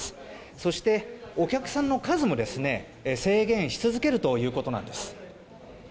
そしてお客さんの数も制限し続けるということなんです。